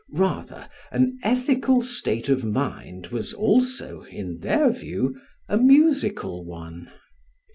Rather an ethical state of mind was also, in their view, a musical one.